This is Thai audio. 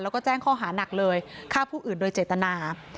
แล้วก็แจ้งข้อหานักเลยฆ่าผู้อื่นโดยเจตนา